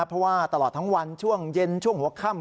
เพราะว่าตลอดทั้งวันช่วงเย็นช่วงหัวค่ำ